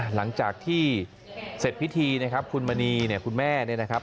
หลังจากที่เสร็จพิธีนะครับคุณมณีเนี่ยคุณแม่เนี่ยนะครับ